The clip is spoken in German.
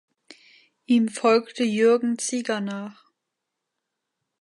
Ihm folgte Jürgen Zieger nach.